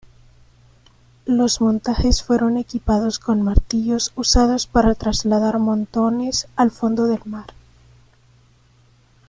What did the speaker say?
Los montajes fueron equipados con martillos usados para trasladar montones al fondo del mar.